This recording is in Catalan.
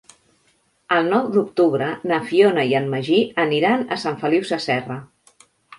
El nou d'octubre na Fiona i en Magí aniran a Sant Feliu Sasserra.